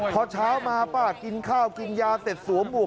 พอเช้ามาป้ากินข้าวกินยาเซ็ทสูบหมู่